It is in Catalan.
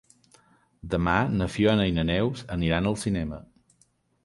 Demà na Fiona i na Neus aniran al cinema.